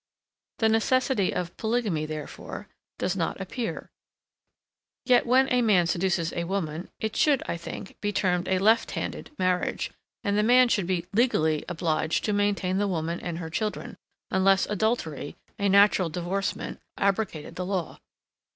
The necessity of polygamy, therefore, does not appear; yet when a man seduces a woman, it should I think, be termed a LEFT HANDED marriage, and the man should be LEGALLY obliged to maintain the woman and her children, unless adultery, a natural divorcement, abrogated the law.